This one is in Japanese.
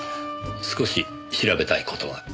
少し調べたい事が。